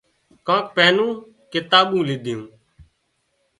ڪانڪ پئينُون ڪتاٻُون ليڌيون